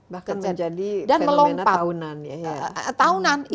bahkan menjadi fenomena tahunan